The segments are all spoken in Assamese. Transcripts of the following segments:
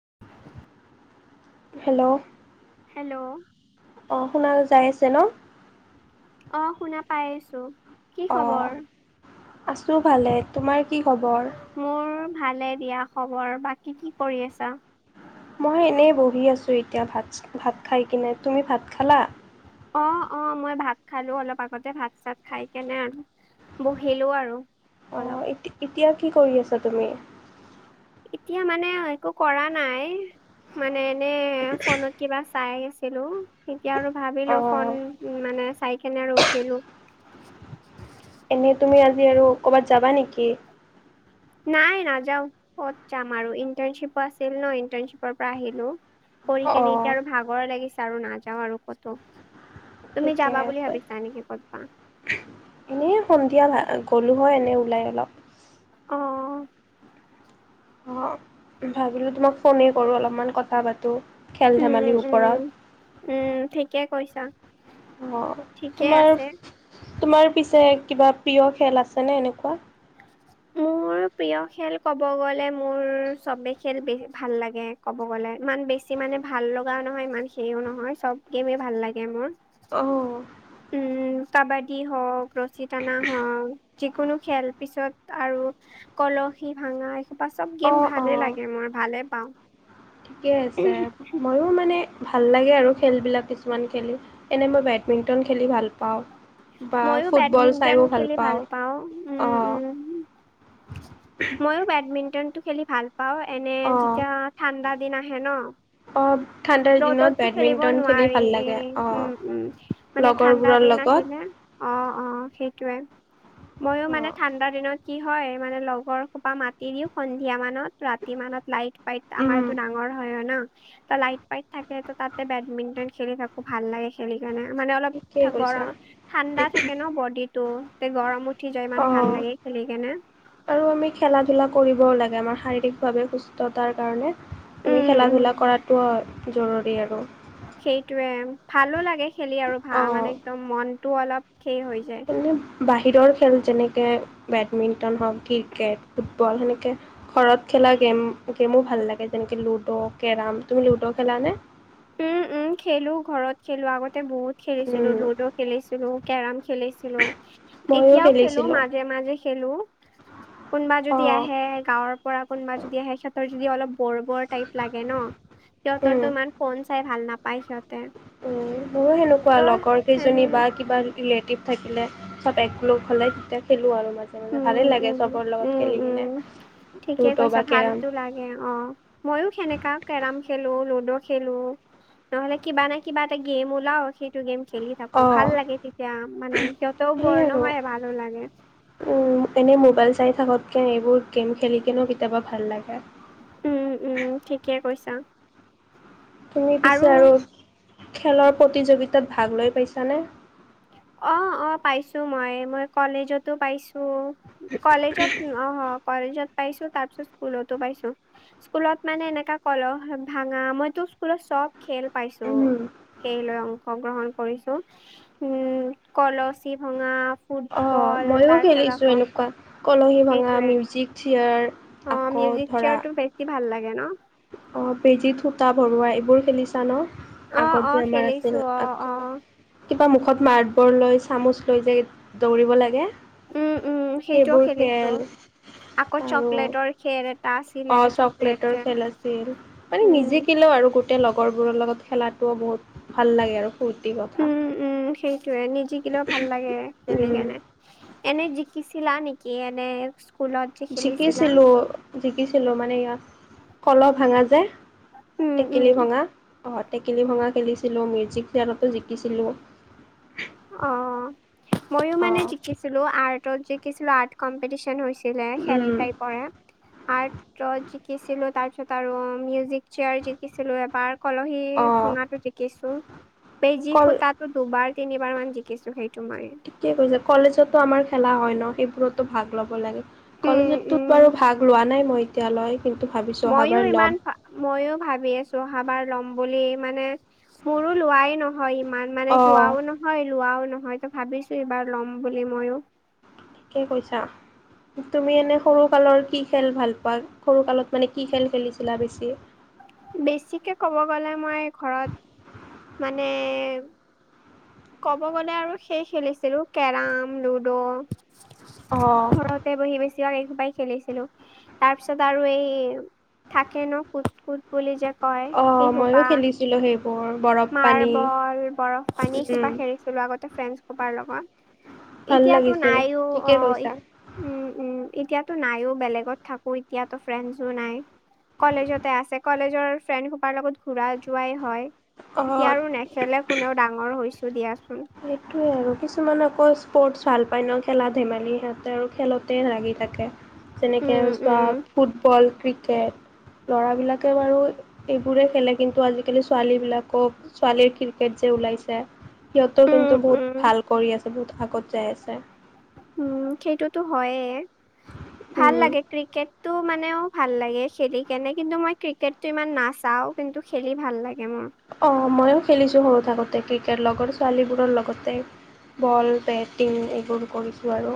[unintelligible] হেল্ল'। হেল্ল অ শুনা যাই আছে ন? অ শুনা পাই আছো। কি অ খবৰ আছো ভালে। তোমাৰ কি খবৰ? মোৰ ভালে দিয়া খবৰ। বাকী কি কৰি আছা? মই এনেই বহি আছো এতিয়া ভাত চা ভাত খাই কিনে, তুমি ভাত খালা? অ অ মই ভাত খালো অলপ আগতে ভাত চাত খাই কেনে আৰু বহিলো আৰু। অ অলপ এতি এতিয়া কি কৰি আছা তুমি? এতিয়া মানে একো কৰা নাই মানে এনে ফোনত কিবা চাই আছিলো তেতিয়া আৰু ভাবিলো ফোন অঁ মানে চাই কেনে আৰু উঠিলো। এনেই তুমি আজি আৰু ক'ৰবাত যাবা নেকি? নাই নাযাও ক'ত যাম আৰু ইটানশ্বিপ আছিল ন ইটাৰ্ণশ্বিপৰ পৰা আহিলো। কৰি কেনে, অঁ এতিয়া আৰু ভাগৰে লাগিছে আৰু নাযাওঁ আৰু ক'তো। তুমি ঠিকে, যাবা বুলি আছে। ভাবিছা নেকি ক'তবা? এনেই, সন্ধিয়া [unintelligible] গ'লো হয়, এনেই ওলাই অলপ। অ। অ ভাবিলো তোমাক ফোনে কৰো অলপমান কথা পাতো উম, খেল-ধেমালিৰ উম, ওপৰত। উম ঠিকে কৈছা। অ'! ঠিকে তোমাৰ, আছে। তোমাৰ পিছে, কিবা প্ৰিয় খেল আছেনে এনেকুৱা? মোৰ [inaudible] প্ৰিয় খেল, ক'ব গ'লে মোৰ, চবে খেল ভাল লাগে, ক'ব গ'লে। ইমান বেছি বেছি মানে, ভাল লগাও নহয়, ইমান সেইও নহয়। চব গেমেই ভাল লাগে মোৰ। অ'! উম! কাবাডী হওঁক, ৰছী টানা হওঁক। যিকোনো, খেল পিছত আৰু কলহী ভাঙা, এসোপা চব, গেম অঁ ভালে অঁ লাগে। গেম মই, ভালেই পাওঁ। ঠিকে আছে, মইয়ো মানে ভাল লাগে আৰু খেলবিলাক, কিছুমান খেলি। এনেই মই, বেডমিণ্টন খেলি ভাল পাওঁ। বা মইয়ো ফুটবল বেডমিণ্টন চাইও খেলি ভাল পাওঁ। উম, অঁ উম। মইয়ো বেডমিন্টনটো খেলি ভাল পাওঁ। এনে, অঁ যেতিয়া, ঠাণ্ডা দিন আহে, ন'। অঁ ঠাণ্ডাৰ দিনত ৰ'দতটো খেলিব বেডমিণ্টন খেলি নোৱাৰি। ভাল এ, লাগে অঁ উম, উম। মানে, ঠাণ্ডা লগৰবোৰৰ দিন লগত আহিলে। অ' অ'! সেইটোৱে, মইয়ো মানে, অঁ ঠাণ্ডা দিনত কি হয়, মানে, লগৰ সোপা মাতি দিওঁ, সন্ধিয়া মানত, ৰাতি মানত। লাইট-পাইট আমাৰ উম এইটো ডাঙৰ হয়। অ'! ন', ত' লাইট লাইট থাকেতো। তাতে, বেডমিণ্টন খেলি থাকোঁ, ভাল লাগে খেলি। খেলি কাৰণে, মানে, অলপ ঠিকেই কৈছা গৰম, ঠাণ্ডা থাকে ন' বডিটো। তেতিয়া, গৰম উঠি যায়। ইমান অঁ ভাল লাগে, খেলি কেনে। আৰু আমি, খেলা-ধূলা কৰিবও লাগে। আমাৰ, শাৰীৰিকভাৱে সুস্থতাৰ কাৰণে। আমি, উম খেলা- ধূলা উম কৰাটো জৰুৰী আৰু। সেইটোৱে, ভালো লাগে খেলি আৰু। [unintelligible] অঁ মানে, একদম মনটোও অলপহে হৈ যায়। মানে, বাহিৰৰ খেল যেনেকে, বেডমিণ্টন হওঁক, ক্ৰিকেট, ফুটবল, সেনেকে ঘৰত খেলা গেম, গেমো ভাল লাগে, যেনেকে- লুডো, কেৰম। তুমি লুডু খেলা নে? উম, উম! খেলোঁ ঘৰত, খেলোঁ। আগতে, বহুত খেলিছিলোঁ। উম লুডু খেলিছিলোঁ, কেৰম খেলিছিলোঁ। ময়ো এতিয়াও, খেলোঁ খেলিছিলোঁ মাজে-মাজে। খেলোঁ। কোনোবা অ যদি আহে, গাঁৱৰ পৰা। কোনোবা যদি আহে, সিহঁতৰ যদি অলপ বৰ- বৰ টাইপ লাগে ন'! উম সিহঁতৰতো, ইমান ফোন চাই ভাল নাপায়, সিহঁতে। উম! মোৰো ত সেনেকুৱা, লগৰ সেনে কেইজনী বা কিবা ৰিলেটিভ থাকিলে, চব একক লগ হ'লে, তেতিয়া খেলোঁ আৰু মাজে ভালে উম লাগে, উম চবৰ লগত উম খেলি উম কিনে। ঠিকে লুডু কৈছা বা কেৰম। ভালতো অ'! লাগে মইয়ো সেনেকা, কেৰম খেলোঁ, লুডু খেলোঁ। নহ'লে, কিবা নে কিবা, এটা গেম ওলাওঁ, সেইটো গেম খেলি। থাকোঁ। অ ভাল লাগে তেতিয়া। মানে, সিহঁতেও সেই বৰ আৰু নহয়, ভালো লাগে। উম, এনেই মোবাইল চাই থাকতকে, এইবোৰ গেম খেলিকনো, কেতিয়াবা ভাল লাগে। উম, উম! ঠিকে কৈছা। তুমি পিছে, আৰু খেলৰ প্ৰতিযোগিতাত ভাগ লৈ পাইছানে? অ'! অ'! পাইছোঁ মই। মই কলেজতো পাইছোঁ। কলেজত, অ'! কলেজত পাইছোঁ। তাৰপিছত, স্কুলতো পাইছোঁ। স্কুলত মানে, এনেকা কলহ ভাঙা, মইতো স্কুলত চব খেল পাইছোঁ। উম। সেই, লৈ অংশগ্ৰহণ কৰিছোঁ। উম! কলচী ভঙা। অ'! ফুটবল মইয়ো তাৰপিছত খেলিছোঁ, আকৌ এনেকুৱা। কলহী ভঙা, সেইটোৱে মিউজিক, চিয়াৰ। অ মিউজিক চেয়াৰ টো বেছি ভাল লাগে ন। অ বেজী সূতা ভৰুৱা এইবোৰ খেলিছা ন। অ অ আগত যে আমাৰ খেলিছো আছিল অ আক। অ কিবা মুখত মাৰ্বল লৈ চামুচ লৈ যায়, দৌৰিব লাগে। উম, উম! সেইটোও সেইবোৰ খেল খেলিছোঁ। আকৌ, আৰু চকলেটৰ খে অ'! চকলেটৰ খেল আছিল। মানে, উম নিজেকিলো আৰু। গোটেই, লগৰবোৰৰ লগত, খেলাটোও বহুত ভাল লাগে আৰু। ফূৰ্তি কথা। উম, উম! সেইটোৱে, নিজিকিলেও ভাল লাগে, খেলি উম। কেনে। এনে জিকি চিলা নেকি এনে। স্কুলত যে খেলিছিলা জিকিছিলো জিকিছিলো মানে ইয়া কলহ ভাঙা যে। উম উম টেকেলি ভঙা অ টেকেলি ভঙা খেলিছিলো মিউজিক চেয়াৰতো জিকিছিলো। অ মইয়ো মানে অঁ জিকিছিলো আৰ্টত জিকিছিলো আৰ্ট কম্পিটিচন হৈছি লে খেল উম টাইপৰে আৰ্টত জিকিছিলো আৰু মিউজিক। চেয়াৰ জিকিছিলো এবাৰ, কলহী অঁ ভঙা জিকিছো, বেজি কল সুতাত। দুবাৰ তিনিবাৰ মান জিকিছো সেইটো মাৰি। কি কৈছে কলেজতো আমাৰ খেলা হয়, ন সেইবোৰতো ভাগ ল'ব লাগে। উম কলেজত উম টোত বাৰু ভাগ লোৱা নাই মই এতিয়ালৈ কিন্তু ভাবি মইয়ো ইমান। মইয়ো ভাবি আছো অহাবাৰ ল'ম বুলি মানে মোৰো লোৱাই নহ। হয় ইমান মানে অঁ যোৱাও নহয়, লোৱাও নহয় ত ভাবিছো এইবাৰ ল'ম বুলি মইয়ো কি কৈছা? তুমি এনে সৰু কালৰ কি খেল ভাল পোৱা সৰু কালত মানে কি খেল খেলিছিলা বেছি? বেছিকে ক'ব গ'লে মই ঘৰত মানে। ক'ব গ'লে আৰু সেই খেলিছিলো কেৰাম, লুডো। অহ ঘৰতে বহি বেছিভাগ এইসোপাই খেলিছিলো তাৰ পিছত আৰু এই থাকেনো। কুট কুট বুলি যে কয়, সেইসোপা। কিলোহ [unintelligible] মাৰ্বল, বৰফ পানী উম সোপা খেলিছিলো আগতে ফ্ৰেনচ হোপাৰ লগত ভাল এতিয়াতো লাগিছিল নাইও ঠিকে অ কৈছা উম, উম এতিয়াতো নাইয়ো বেলেগত থাকো এতিয়াতো ফ্ৰেণ্ডছো নাই। কলেজতে আছে কলেজৰ ফ্ৰেণ্ড হোপাৰ লগত ঘূৰা যোৱাই হয়। অ এতিয়া আৰু নেখেলে কোনেও ডাঙৰ হৈছো দিয়াচোন। সেইটোৱে আৰু কিছুমান আকৌ স্পৰ্টছ ভাল পায় ন খেলা ধেমালি সিহঁতে আৰু খেলতে লাগি থাকে। যেনেকে উম, চোৱা উম, ফুটবল ক্ৰি কেট ল'ৰাবিলাকে বাৰু এইবোৰেই খেলে কিন্তু আজিকালি ছোৱালীবিলাক। ছোৱালীৰ ক্ৰিকেট যে ওলাইছে সিহঁতও কিন্তু উম, বহুত উম, ভাল কৰি আছে। বহুত আগত যাই আছে। উম সেইটোতো হয়ে ভাল লাগে ক্ৰিকেট। টো মানেও ভাল লাগে খেলি কেনে কিন্তু মই ক্ৰিকেটটো ইমান নাচাও কিন্তু খেলি ভাল লাগে মোৰ। অ ময়ো খেলিছোঁ সৰু থাকোতে ক্ৰিকেট লগৰ ছোৱালীবোৰৰ লগতে। বল, বেটিং এইবোৰ কৰিছোঁ আৰু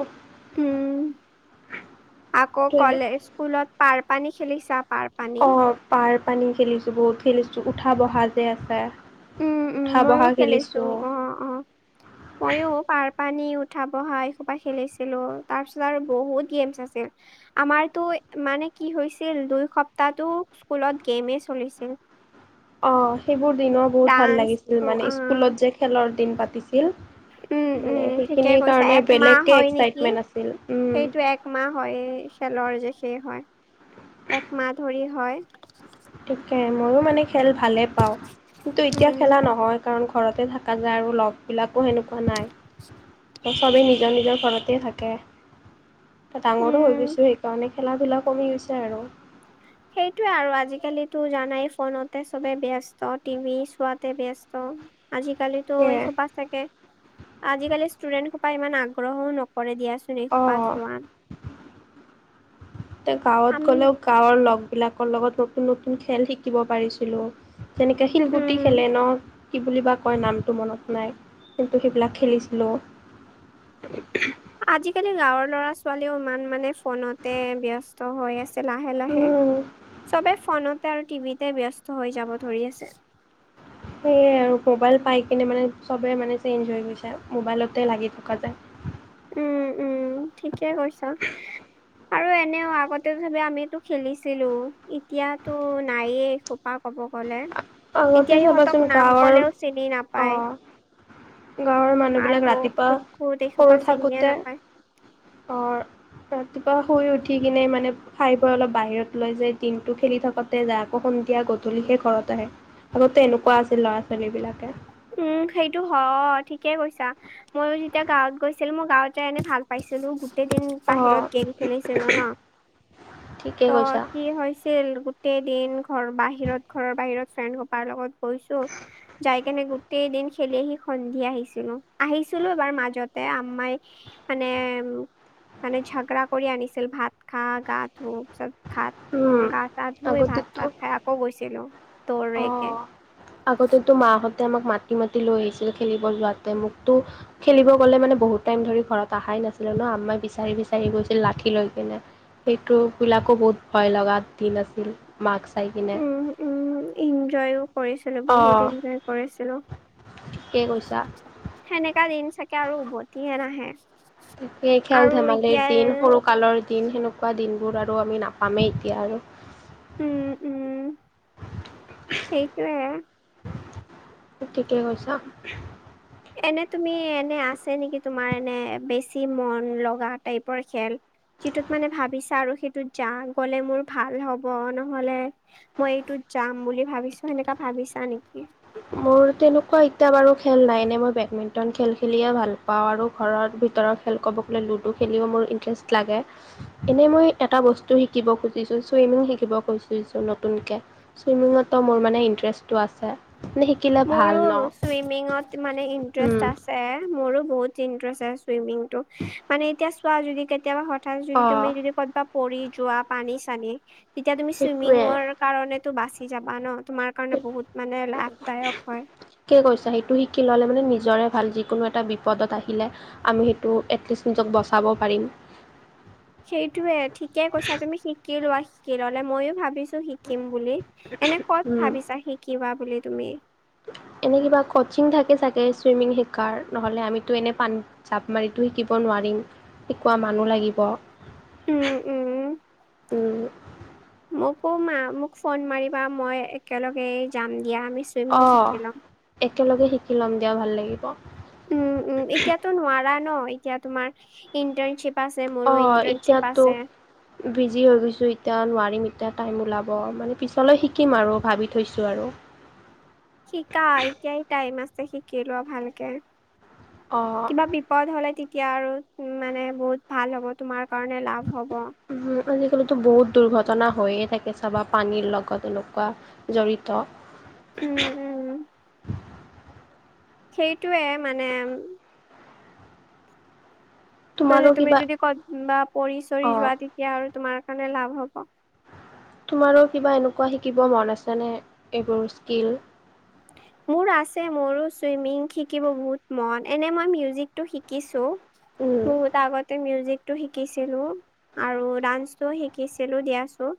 উম আকৌ সেইটোৱে কলেজ, স্কুলত পাৰ পানী খেলিছা পাৰ। পানী? অ', পাৰ -পানী খেলিছোঁ বহুত খেলিছোঁ উঠা -বহা যে আছে উম উম উঠা ময়ো বহা খেলিছো। খেলিছোঁ। অ অ মইয়ো পাৰ পানী উঠা বহা এইসোপা খেলিছিলোঁ তাৰ পিছত আৰু বহুত গেমছ আছে। আমাৰতো মানে কি হৈছিল দুই সপ্তাহটো স্কুলত গেমে চলিছিল। অ সেইবোৰ দিনৰ বহুত ভাল ডান্স লাগিছিল অ মানে আ স্কুলত যে খেলৰ দিন পাতিছিল উম উম মানে ঠিকে সেইখিনিৰ কৈছা কাৰণে একমাহ বেলেগে হয় নেকি? একচাইটমেন্ট আছিল উম সেইটো একমাহ হয়, খেলৰ যে সেই হয়। একমাহ ধৰি হয়। তাকেই, ময়ো মানে খেল ভালেই পাওঁ। কিন্তু এতিয়া উম খেলা নহয়। কাৰণ ঘৰতে থকা যায়, আৰু লগবিলাকো সেনেকুৱা নাই। চবেই নিজৰ নিজৰ ঘৰতে থাকে। ডাঙৰো হৈ উম গৈছো সেইকাৰণে। খেলা ধূলা কমি গৈছে আৰু সেইটোৱে আৰু আজিকালো জানাই ফোনতে চবে ব্যস্ত টিভি চোৱাতে ব্যস্ত আজিকালি। ত এই সেয়াই সোপা চাগে, আজিকালি ষ্টুডেন্ট সোপা ইমান আগ্ৰহও নকৰে দিয়া। অ'। পাত লোৱা, এতিয়া গাঁৱত আম। গ'লেও গাঁৱৰ লগবিলাকৰ লগত নতুন নতুন খেল শিকিব পাৰিছিলোঁ। যেনেকে শিলগুটি উম খেলে ন! কি বুলি বা কয় নামটো মনত নাই। কিন্তু সেইবিলাক খেলিছিলোঁ। আজিকালি গাঁৱৰ ল'ৰা-ছোৱালীও ইমান মানে ফোনতে ব্যস্ত। হৈ আছে লাহে লাহে। উম চবে ফোনত তে আৰু টিভিতে ব্যস্ত হৈ যাব ধৰি আছে। সেয়াই আৰু, মোবাইল পাই কিনে মানে চবেই মানে চেইঞ্জ হৈ গৈছে। মোবাইলতে লাগি থকা যায়। উম উম ঠিকে কৈছ। আৰু এনেও আগতে আগত চবেই আমিতো খেলিছিলো, এতিয়াতো নায়েই খোপা কব গ'লে। আগতে এতিয়া ইহঁতক চাবাচোন নাম গাঁৱৰ, ক'লেও চিনি নাপায়। অ'। গাঁৱৰ মানুহবিলাক মাৰব ৰাতিপুৱা কুট কুট এইসোপা সৰু চিনিয়ে থাকোতে, নাপায়। অৰ ৰাতিপুৱা শুই উঠি কিনে মানে। খাই-বৈ অলপ বাহিৰত লৈ যায় দিনটো খেলি থাকোতে যায়। আকৌ সন্ধিয়া গধূলিহে ঘৰত আহে। আগতে এনেকুৱা আছিল, ল'ৰা-ছোৱালীবিলাকে। উম, সেইটো হয় ঠিকেই কৈছা। ময়ো যেতিয়া গাঁৱত গৈছিলো, মই গাঁৱতে এনে ভাল পাইছিলো গোটেইদিন অ' বাহিৰত গেম খেলিছিলো ন? ঠিকে ত কৈছা। কি হৈছে ছিল গোটেই দিন, ঘৰ বাহিৰত ঘৰৰ বাহিৰত ফ্ৰেণ্ডসোপাৰ লগত গৈছো। যাই কেনে গো গোটেইদিন খেলি আহি সন্ধিয়া আহিছিলো। আহিছিলো এবাৰ মাজতে আম্মাই মানে উ, মানে ঝগড়া কৰি আনিছিল ভাত খা, গা ধুও চব ভাত, উম। গা-চা ধুই আগতেতো ভাত-চাত খাই আকৌ গৈছিলোঁ, দৌৰিকে। অ' আগতেতো মাহঁতে আমাক মাতি মাতি লৈ আহিছিল খেলিব যোৱাতে, মোকতো। খেলিব গ'লে মানে বহুত টাইম ধৰি ঘৰত অহাই নাছিলো ন! আম্মাই বিচাৰি বিচাৰি গৈছিল লাঠি লৈ কিনে। সেইটোবিলাকো বহুত ভয় লগা দিন আছিল, মাক চাই কিনে। উম উম এনজয়ও কৰিছিলো, বহুত অ'। এনজয় কৰিছিলো। ঠিকেই কৈছা। সেনেকা দিন চাগে আৰু উভতিয়ে নাহে। আৰু এতিয়া খেল-ধেমালিৰ দিন সৰু। কালৰ দিন, সেনেকোৱা দিনবোৰ আৰু আমি নাপামেই এতিয়া আৰু। উম উম। সেইটোৱে তুমি ঠিকে কৈছা। এনে তুমি, এনে আছে নেকি তোমাৰ, এনে বেছি মন লগা টাইপৰ খেল? যিটোত মানে ভাবিছা আৰু সেইটোত যা গ'লে মোৰ ভাল হ'ব নহ'লে! মই এইটোত যাম বুলি ভাবিছো, সেনেকা ভাবিছা নেকি? মোৰ তেনেকুৱা এতিয়া বাৰু খেল নাই এনে! মই বেডমিন্টন খেল খেলিয়ে ভাল পাওঁ আৰু, ঘৰৰ ভিতৰৰ খেল ক'ব গ'লে লুডু খেলিও মোৰ ইণ্টাৰেষ্ট লাগে। এনেই মই এটা বস্তু শিকিব খুজিছো, চুইমিং শিকিব খুজিছো নতুনকে। চুইমিঙতো মোৰ মানে ইণ্টাৰেষ্টটো আছে, মানে সি মোৰো চুইমিঙত মানে ইন্টাৰেষ্ট উম আছে। ছে, মোৰো বহুত ইন্টাৰেষ্ট চুইমিংটো। মানে এতিয়া চোৱা যদি কেতিয়াবা হয় হঠাৎ যদি অ তুমি যদি ক'ৰবাত পৰি যোৱা পানী-চানীয়ে, তেতিয়া তুমি সেইটোৱে চুইমিঙৰ কাৰণেতো বাচি যাবা ন? তোমাৰ কাৰণে বহুত মানে লাভদায়ক। হয় ঠিকে কৈছা। সেইটো শিকি ল'লে মানে টো নিজৰে ভাল যিকোনো এটা বিপদত আহিলে আমি সেইটো এটলিষ্ট নিজক বচাব পাৰিম সেইটোয়ে ঠিকে কৈছা তুমি শিকি লোৱা শিকি ললে মইয়ো ভাবিছো শিকিম বুলি, এনে ক'ত উম ভাবিছা শিকিবা বুলি তুমি? এনে কিবা কচিং থাকে চাগে চুইমিং শিকাৰ, নহ'লে আমিতো এনে পানীত জাপ মাৰিতো শিকিব নোৱাৰিম শিকোৱা মানুহ লাগিব উম উম উ মোকো মা মোক ফোন মাৰিবা মই একেলগে যাম দিয়া আমি চ অ একেলগে শিকি লম দিয়া ভাল লাগিব। উ উ এতিয়াতো নোৱাৰা ন এতিয়া তোমাৰ ইণ্টাৰ্নশ্বিপ আছে মোৰো অঁ ইণ্টাৰ্নশ্বিপ এতিয়াতো আছে বিজি হৈ গৈছো এতিয়া নোৱাৰিম এতিয়া টাইম ওলাব মানে পিছলৈ শিকিম আৰু ভাবি থৈছো আৰু শিকা এতিয়াই টাইম আছে শিকি লোৱা ভালকে অঁ কিবা বি পদ হলে তেতিয়া আৰু মানে বহুত ভাল হ'ব তোমাৰ কাৰণে লাভ হ'ব উ আজিকালিতো বহুত দুৰ্ঘটনা হৈয়ে থাকে চাবা পানীৰ লগত এনেকোৱা জড়িত উম উম সেইটোৱে মানে মানে তোমাৰো তুমি কিবা যদি কত বা পৰি চৰি অ', যোৱা তেতিয়া আৰু তোমাৰ কাৰণে লাভ হ'ব তোমাৰো কিবা এনেকোৱা শিকিব মন আছেনে এইবোৰ স্কিল মোৰ আছে মোৰো ছুইমিং শিকিব বহুত মন এনে মই মিউজিকটো শিকিছো উম, বহুত আগতে মিউজিক টো শিকিছিলো আৰু ডান্সটো শিকিছিলো দিয়াচো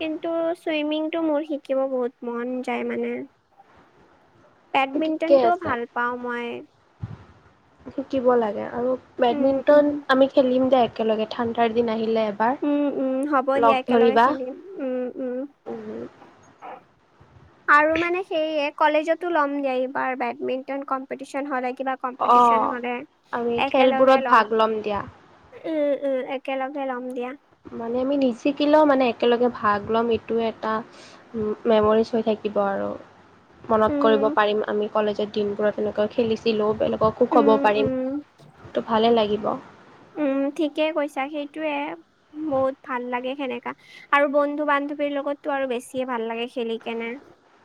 কিন্তু চুইমিংটো মোৰ শিকিব বহুত মন যায় মানে ঠিকে বেডমিণ্টনটো আছে ভাল পাও মই। শিকিব লাগে আৰু উম, উম, বেডমিন্টন আমি খেলিম দে একেলগে ঠাণ্ডাৰ দিন আহিলে এবাৰ। উম উম হ'ব দিয়া লগ একেলগে ধৰিবা খেলিম উম উম। উম, আৰু মানে সেয়ে কলেজতো ল'ম দিয়া এইবাৰ বেডমিন্টন কম্পিটিচন হলে কিবা কম্পিটিশন অ'। হলে আমি একেলগে খেলবোৰত লম ভাগ দিয়া। উম উম একেলগে লম দিয়া মানে আমি নিজিকিলেও মানে একেলগে ভাগ ল'ম এইটো এটা উ মেমৰিজ হৈ থাকিব আৰু মনত উম, কৰিব পাৰিম আমি কলেজৰ দিনবোৰত তেনেকৈ খেলিছিলো বেলেগ কো ক'ব উম, পাৰিম উম, তো ভালে লাগিব উম ঠিকেই কৈছা সেইটোয়ে বহুত ভাল লাগে সেনেকা আৰু বন্ধু - বান্ধৱীৰ লগততো আৰু বেছিয়ে ভাল লাগে খেলি কেনে।